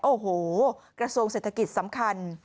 โอ้โหกระทรวงเศรษฐกิจสำคัญ